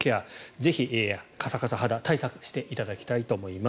ぜひカサカサ肌対策していただきたいと思います。